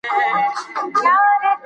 ډېر لیکوالان د کره کتنې څخه ویره لري.